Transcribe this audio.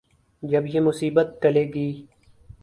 جب یہ مصیبت ٹلے گی۔